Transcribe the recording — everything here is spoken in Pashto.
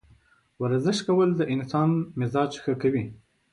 ورزش کول د انسان مزاج ښه کوي.